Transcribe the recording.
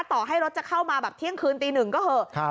ต่อให้รถจะเข้ามาแบบเที่ยงคืนตีหนึ่งก็เถอะ